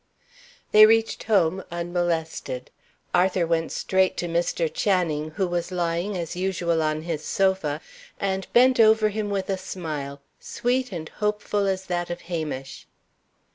They reached home unmolested. Arthur went straight to Mr. Channing, who was lying, as usual, on his sofa, and bent over him with a smile, sweet and hopeful as that of Hamish.